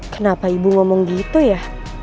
kenapa ibu ngomong gitu ya